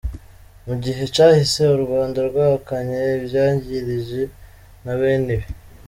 Mu gihe cahise, u Rwanda rwahakanye ivyagiriji nka bene ibi.